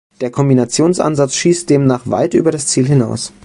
Der Kombinations-Ansatz schießt demnach weit über das Ziel hinaus.